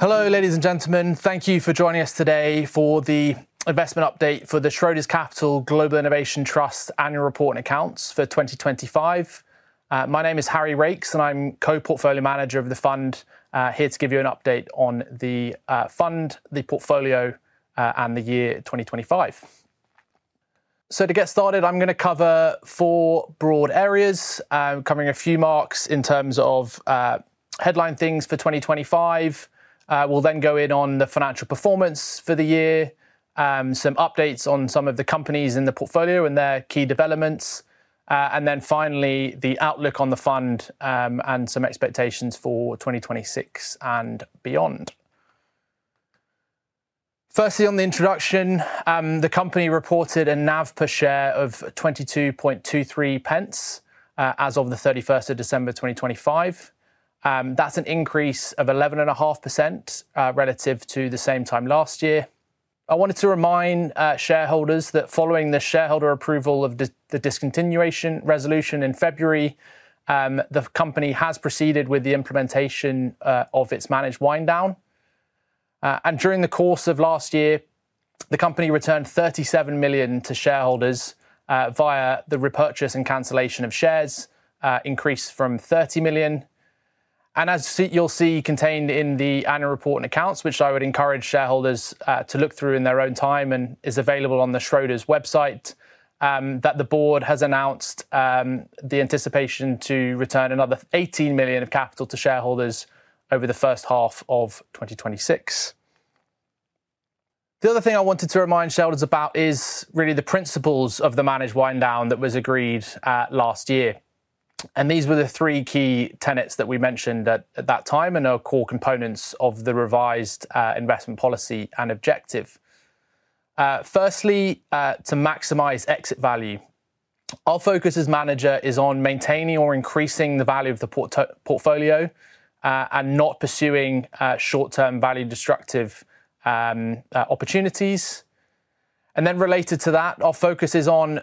Hello, ladies and gentlemen. Thank you for joining us today for the investment update for the Schroders Capital Global Innovation Trust annual report and accounts for 2025. My name is Harry Raikes, and I'm Co-Portfolio Manager of the fund, here to give you an update on the fund, the portfolio, and the year 2025. To get started, I'm gonna cover four broad areas, covering a few marks in terms of headline things for 2025. We'll then go in on the financial performance for the year, some updates on some of the companies in the portfolio and their key developments. Then finally, the outlook on the fund, and some expectations for 2026 and beyond. Firstly, on the introduction, the company reported a NAV per share of 0.2223 as of 31 December 2025. That's an increase of 11.5% relative to the same time last year. I wanted to remind shareholders that following the shareholder approval of the discontinuation resolution in February, the company has proceeded with the implementation of its managed wind down. During the course of last year, the company returned 37 million to shareholders via the repurchase and cancellation of shares, an increase from 30 million. As you'll see contained in the annual report and accounts, which I would encourage shareholders to look through in their own time and is available on the Schroders website, that the Board has announced the anticipation to return another 18 million of capital to shareholders over the first half of 2026. The other thing I wanted to remind shareholders about is really the principles of the managed wind down that was agreed last year. These were the three key tenets that we mentioned at that time and are core components of the revised investment policy and objective. Firstly, to maximize exit value. Our focus as manager is on maintaining or increasing the value of the portfolio and not pursuing short-term, value destructive opportunities. Related to that, our focus is on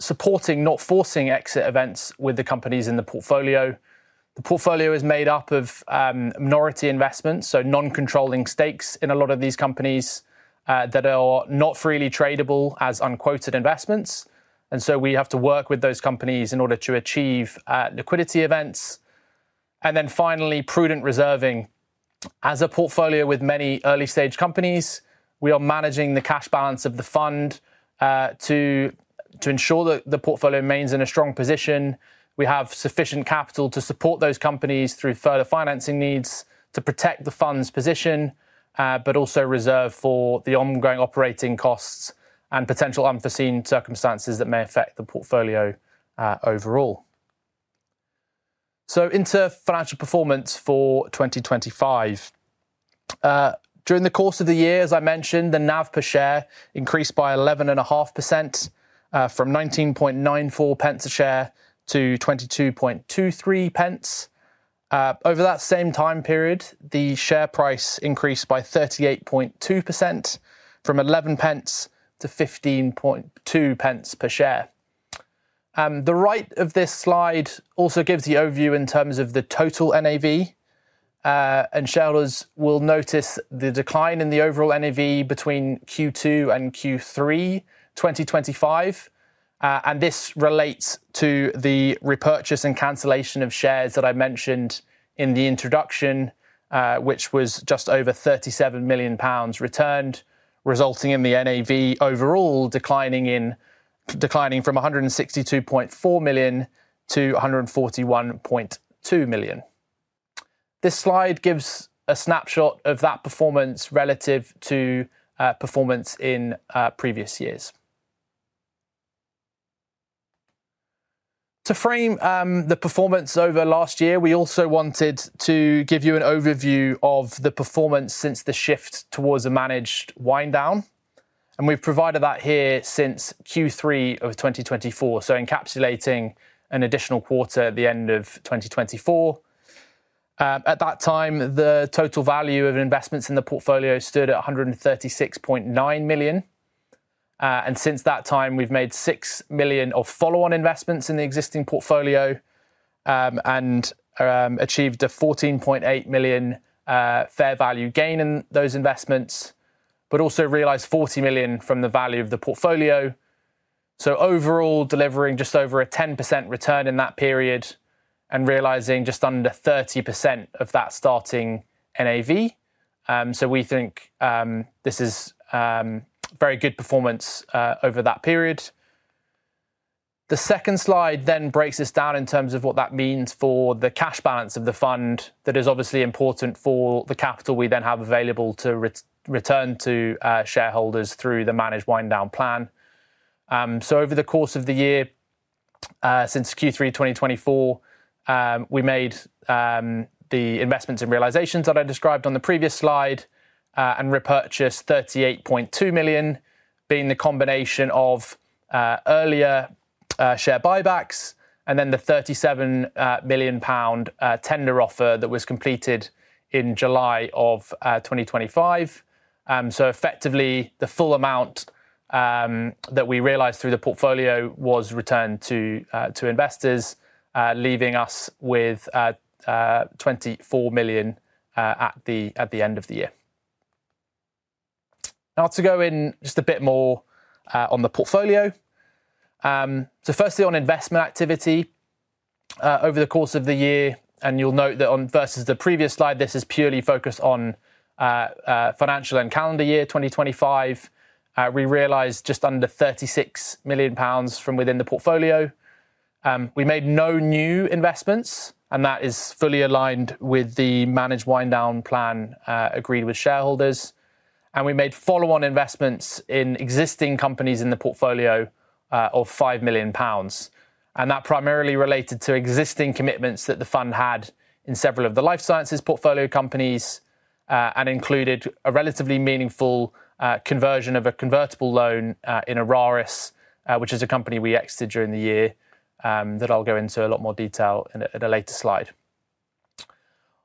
supporting, not forcing exit events with the companies in the portfolio. The portfolio is made up of minority investments, so non-controlling stakes in a lot of these companies that are not freely tradable as unquoted investments. We have to work with those companies in order to achieve liquidity events. Finally, prudent reserving. As a portfolio with many early stage companies, we are managing the cash balance of the fund to ensure the portfolio remains in a strong position. We have sufficient capital to support those companies through further financing needs to protect the fund's position, but also reserve for the ongoing operating costs and potential unforeseen circumstances that may affect the portfolio overall. Into financial performance for 2025. During the course of the year, as I mentioned, the NAV per share increased by 11.5%, from 0.1994 per share to 0.2223. Over that same time period, the share price increased by 38.2% from 0.11 to 0.152 per share. The right of this slide also gives the overview in terms of the total NAV. Shareholders will notice the decline in the overall NAV between Q2 and Q3 2025, and this relates to the repurchase and cancellation of shares that I mentioned in the introduction, which was just over 37 million pounds returned, resulting in the NAV overall declining from 162.4 million to 141.2 million. This slide gives a snapshot of that performance relative to performance in previous years. To frame the performance over last year, we also wanted to give you an overview of the performance since the shift towards a managed wind down. We've provided that here since Q3 of 2024, so encapsulating an additional quarter at the end of 2024. At that time, the total value of investments in the portfolio stood at 136.9 million. Since that time, we've made 6 million of follow-on investments in the existing portfolio and achieved a 14.8 million fair value gain in those investments, but also realized 40 million from the value of the portfolio. Overall, delivering just over a 10% return in that period and realizing just under 30% of that starting NAV. We think this is very good performance over that period. The second slide then breaks this down in terms of what that means for the cash balance of the fund. That is obviously important for the capital we then have available to return to shareholders through the managed wind down plan. Over the course of the year since Q3 2024, we made the investments and realizations that I described on the previous slide and repurchased 38.2 million, being the combination of earlier share buybacks and then the 37 million pound tender offer that was completed in July 2025. Effectively, the full amount that we realized through the portfolio was returned to investors, leaving us with 24 million at the end of the year. Now to go in just a bit more on the portfolio. Firstly, on investment activity over the course of the year, and you'll note that on, versus the previous slide, this is purely focused on financial and calendar year 2025. We realized just under 36 million pounds from within the portfolio. We made no new investments, and that is fully aligned with the managed wind down plan agreed with shareholders. We made follow-on investments in existing companies in the portfolio of 5 million pounds. That primarily related to existing commitments that the fund had in several of the life sciences portfolio companies, and included a relatively meaningful conversion of a convertible loan in Araris, which is a company we exited during the year, that I'll go into a lot more detail in a later slide.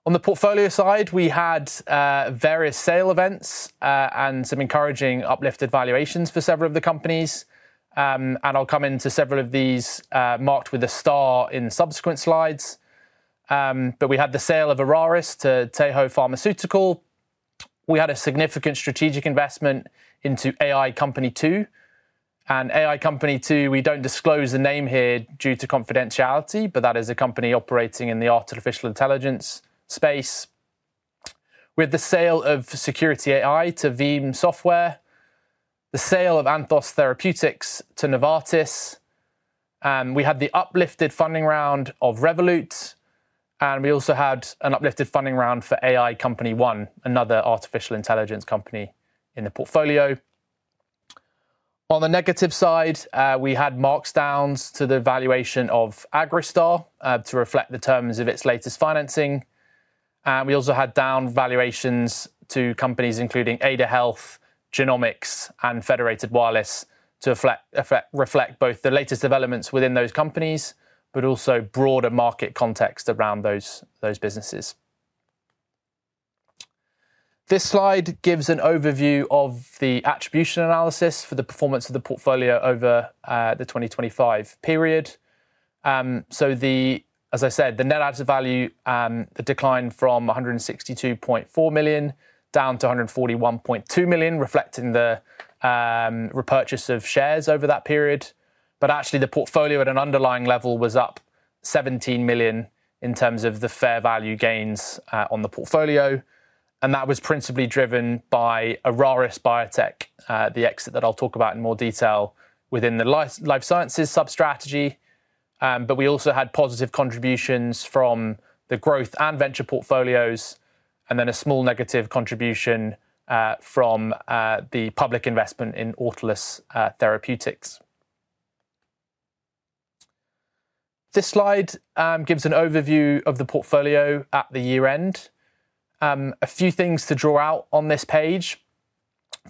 On the portfolio side, we had various sale events and some encouraging uplifted valuations for several of the companies. I'll come into several of these marked with a star in subsequent slides. We had the sale of Araris to Taiho Pharmaceutical. We had a significant strategic investment into AI Company Two. AI Company Two, we don't disclose the name here due to confidentiality, but that is a company operating in the artificial intelligence space. We had the sale of Securiti AI to Veeam Software, the sale of Anthos Therapeutics to Novartis, and we had the uplifted funding round of Revolut, and we also had an uplifted funding round for AI Company One, another artificial intelligence company in the portfolio. On the negative side, we had markdowns to the valuation of AgroStar, to reflect the terms of its latest financing. We also had down valuations to companies including Ada Health, Genomix and Federated Wireless to reflect both the latest developments within those companies, but also broader market context around those businesses. This slide gives an overview of the attribution analysis for the performance of the portfolio over the 2025 period. The... As I said, the net asset value, the decline from 162.4 million down to 141.2 million, reflecting the repurchase of shares over that period. Actually the portfolio at an underlying level was up 17 million in terms of the fair value gains on the portfolio, and that was principally driven by Araris Biotech, the exit that I'll talk about in more detail within the life sciences sub-strategy. We also had positive contributions from the growth and venture portfolios, and then a small negative contribution from the public investment in Autolus Therapeutics. This slide gives an overview of the portfolio at the year-end. A few things to draw out on this page.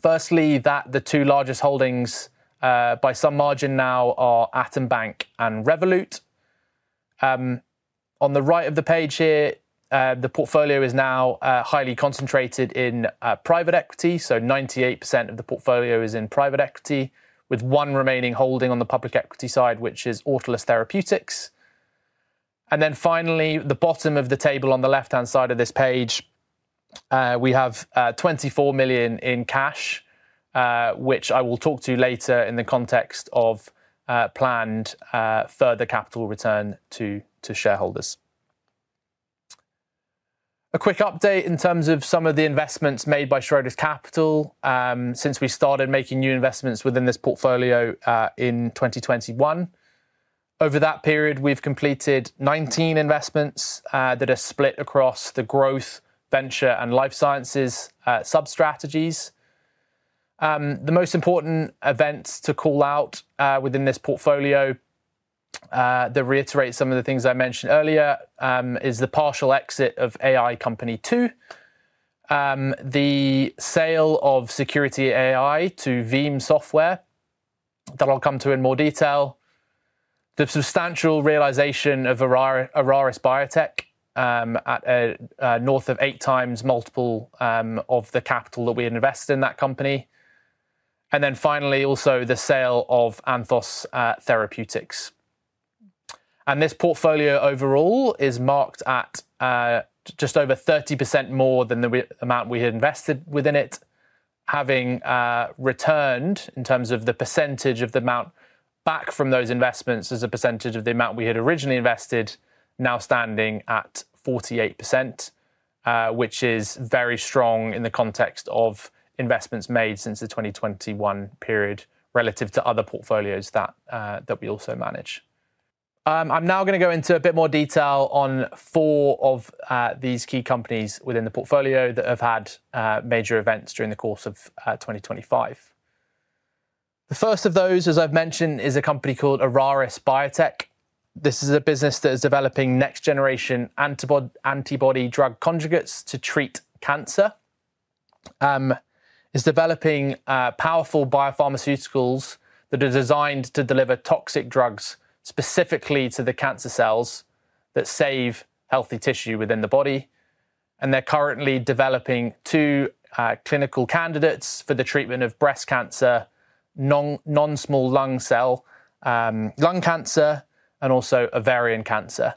First, that the two largest holdings by some margin now are Atom Bank and Revolut. On the right of the page here, the portfolio is now highly concentrated in private equity. 98% of the portfolio is in private equity, with one remaining holding on the public equity side, which is Autolus Therapeutics. Finally, the bottom of the table on the left-hand side of this page, we have 24 million in cash, which I will talk to you later in the context of planned further capital return to shareholders. A quick update in terms of some of the investments made by Schroders Capital, since we started making new investments within this portfolio in 2021. Over that period, we've completed 19 investments that are split across the growth, venture and life sciences sub-strategies. The most important events to call out within this portfolio that reiterate some of the things I mentioned earlier is the partial exit of AI Company Two, the sale of Securiti AI to Veeam Software that I'll come to in more detail, the substantial realization of Araris Biotech at north of 8x multiple of the capital that we invest in that company, and then finally, also the sale of Anthos Therapeutics. This portfolio overall is marked at just over 30% more than the amount we had invested within it, having returned in terms of the percentage of the amount back from those investments as a percentage of the amount we had originally invested now standing at 48%, which is very strong in the context of investments made since the 2021 period relative to other portfolios that we also manage. I'm now gonna go into a bit more detail on four of these key companies within the portfolio that have had major events during the course of 2025. The first of those, as I've mentioned, is a company called Araris Biotech. This is a business that is developing next generation antibody drug conjugates to treat cancer, powerful biopharmaceuticals that are designed to deliver toxic drugs specifically to the cancer cells that save healthy tissue within the body, and they're currently developing two clinical candidates for the treatment of breast cancer, non-small cell lung cancer, and also ovarian cancer.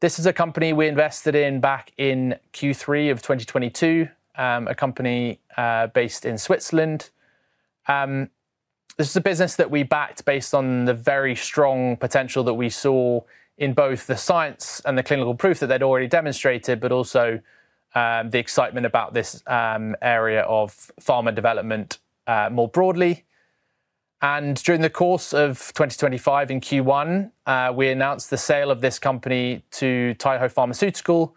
This is a company we invested in back in Q3 of 2022, a company based in Switzerland. This is a business that we backed based on the very strong potential that we saw in both the science and the clinical proof that they'd already demonstrated, but also, the excitement about this, area of pharma development, more broadly. During the course of 2025 in Q1, we announced the sale of this company to Taiho Pharmaceutical,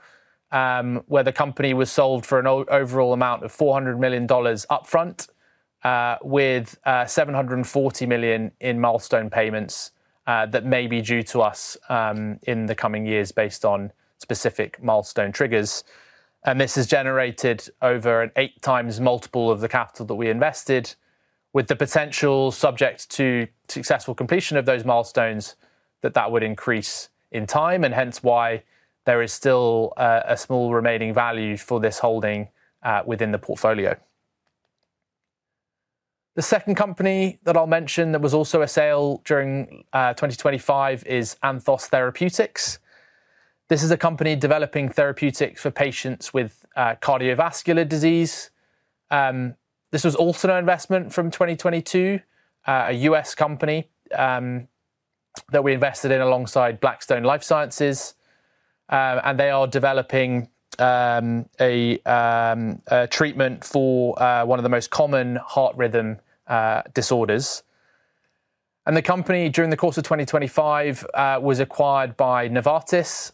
where the company was sold for an overall amount of $400 million upfront, with $740 million in milestone payments that may be due to us in the coming years based on specific milestone triggers. This has generated over an 8x multiple of the capital that we invested with the potential subject to successful completion of those milestones that would increase in time, and hence why there is still a small remaining value for this holding within the portfolio. The second company that I'll mention that was also a sale during 2025 is Anthos Therapeutics. This is a company developing therapeutics for patients with cardiovascular disease. This was also an investment from 2022, a U.S. company, that we invested in alongside Blackstone Life Sciences, and they are developing a treatment for one of the most common heart rhythm disorders. The company, during the course of 2025, was acquired by Novartis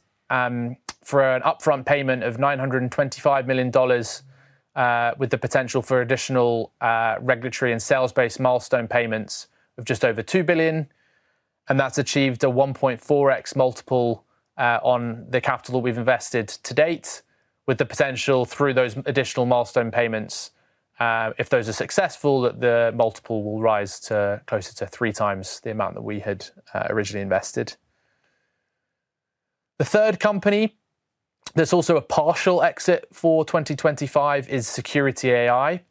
for an upfront payment of $925 million, with the potential for additional regulatory and sales-based milestone payments of just over $2 billion. That's achieved a 1.4x multiple on the capital we've invested to date, with the potential through those additional milestone payments, if those are successful, that the multiple will rise to closer to 3x the amount that we had originally invested. The third company, that's also a partial exit for 2025, is Securiti AI.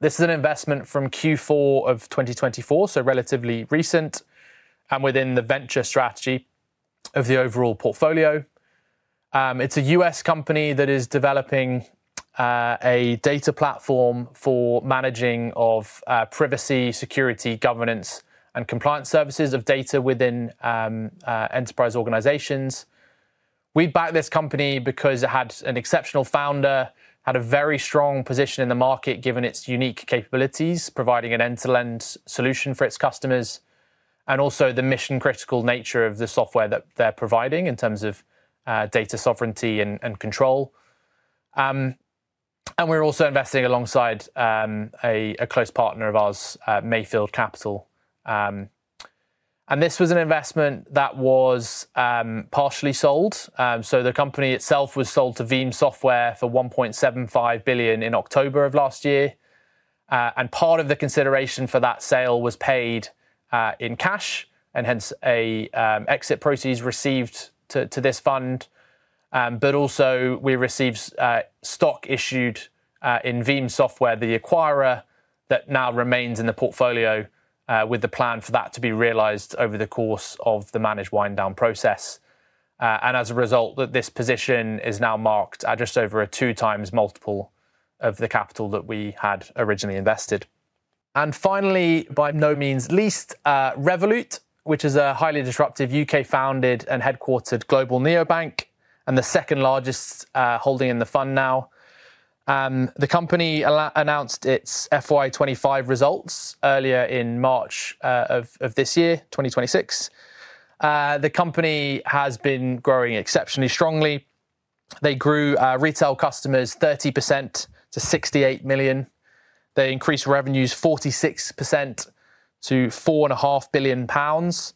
This is an investment from Q4 of 2024, so relatively recent and within the venture strategy of the overall portfolio. It's a U.S. company that is developing a data platform for managing of privacy, security, governance, and compliance services of data within enterprise organizations. We backed this company because it had an exceptional founder, had a very strong position in the market given its unique capabilities, providing an end-to-end solution for its customers, and also the mission-critical nature of the software that they're providing in terms of data sovereignty and control. We're also investing alongside a close partner of ours, Mayfield Fund. This was an investment that was partially sold. The company itself was sold to Veeam Software for $1.75 billion in October of last year. Part of the consideration for that sale was paid in cash and hence an exit proceeds received by this fund. Also we received stock issued in Veeam Software, the acquirer that now remains in the portfolio, with the plan for that to be realized over the course of the managed wind down process. As a result, this position is now marked at just over a 2x multiple of the capital that we had originally invested. Finally, by no means least, Revolut, which is a highly disruptive U.K.-founded and headquartered global neobank and the second-largest holding in the fund now. The company announced its FY 2025 results earlier in March of this year, 2026. The company has been growing exceptionally strongly. They grew retail customers 30% to 68 million. They increased revenues 46% to 4.5 billion pounds.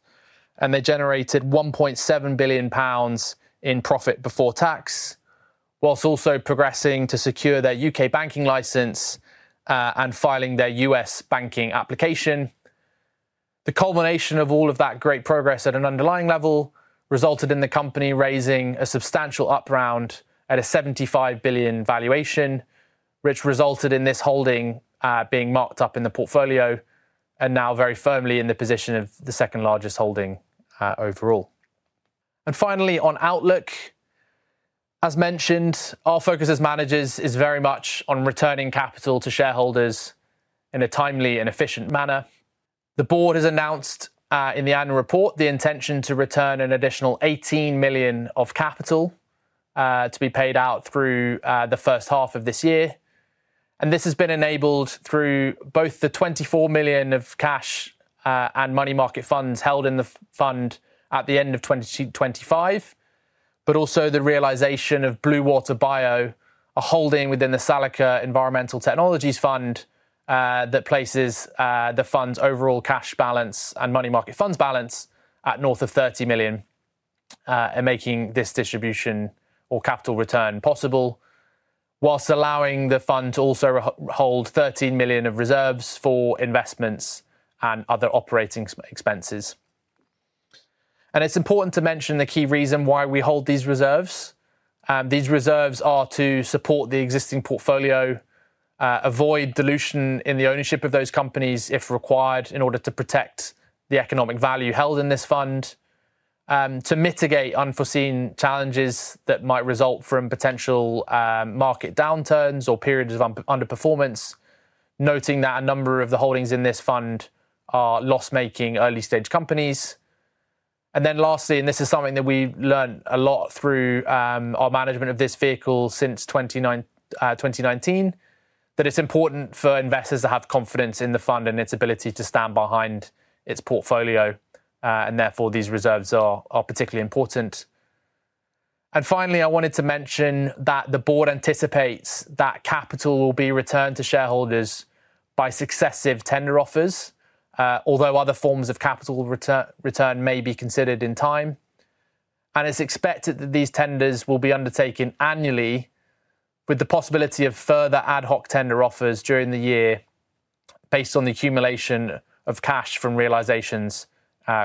They generated 1.7 billion pounds in profit before tax, while also progressing to secure their U.K. banking license and filing their U.S. banking application. The culmination of all of that great progress at an underlying level resulted in the company raising a substantial up round at a 75 billion valuation, which resulted in this holding being marked up in the portfolio and now very firmly in the position of the second-largest holding overall. Finally, on outlook, as mentioned, our focus as managers is very much on returning capital to shareholders in a timely and efficient manner. The Board has announced in the annual report the intention to return an additional 18 million of capital to be paid out through the first half of this year. This has been enabled through both the 24 million of cash and money market funds held in the fund at the end of 2025, but also the realization of Bluewater Bio, a holding within the Salica Environmental Technologies Fund, that places the fund's overall cash balance and money market funds balance at north of 30 million, and making this distribution or capital return possible, while allowing the fund to also hold 13 million of reserves for investments and other operating expenses. It's important to mention the key reason why we hold these reserves. These reserves are to support the existing portfolio, avoid dilution in the ownership of those companies, if required, in order to protect the economic value held in this fund. To mitigate unforeseen challenges that might result from potential market downturns or periods of underperformance, noting that a number of the holdings in this fund are loss-making early stage companies. Lastly, and this is something that we've learned a lot through our management of this vehicle since 2019, that it's important for investors to have confidence in the fund and its ability to stand behind its portfolio, and therefore, these reserves are particularly important. Finally, I wanted to mention that the Board anticipates that capital will be returned to shareholders by successive tender offers, although other forms of capital return may be considered in time. It's expected that these tenders will be undertaken annually with the possibility of further ad hoc tender offers during the year based on the accumulation of cash from realizations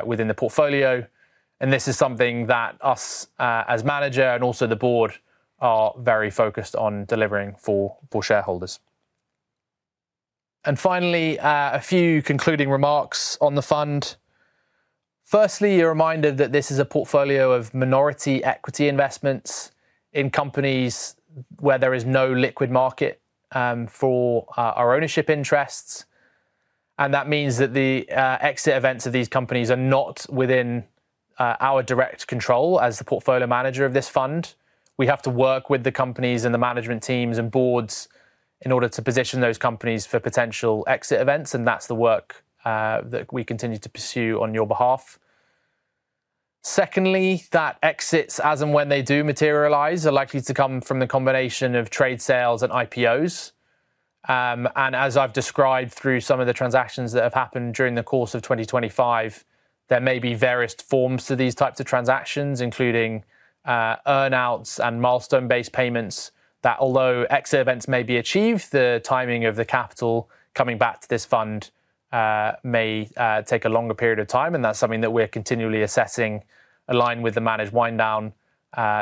within the portfolio. This is something that we as manager and also the Board are very focused on delivering for shareholders. Finally, a few concluding remarks on the fund. Firstly, a reminder that this is a portfolio of minority equity investments in companies where there is no liquid market for our ownership interests. That means that the exit events of these companies are not within our direct control as the portfolio manager of this fund. We have to work with the companies and the management teams and Boards in order to position those companies for potential exit events, and that's the work that we continue to pursue on your behalf. Secondly, that exits as and when they do materialize are likely to come from the combination of trade sales and IPOs. As I've described through some of the transactions that have happened during the course of 2025, there may be various forms to these types of transactions, including earn-outs and milestone-based payments that although exit events may be achieved, the timing of the capital coming back to this fund may take a longer period of time, and that's something that we're continually assessing aligned with the managed wind down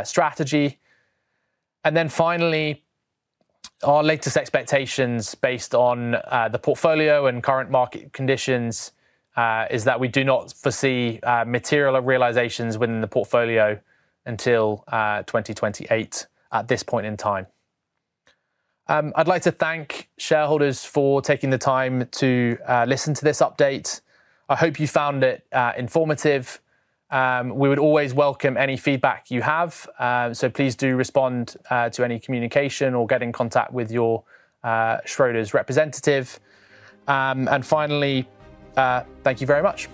strategy. Finally, our latest expectations based on the portfolio and current market conditions is that we do not foresee material realizations within the portfolio until 2028 at this point in time. I'd like to thank shareholders for taking the time to listen to this update. I hope you found it informative. We would always welcome any feedback you have, so please do respond to any communication or get in contact with your Schroders representative. Finally, thank you very much.